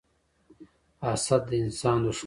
حسد د انسان دښمن دی